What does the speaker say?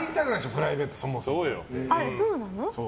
プライベートそもそも。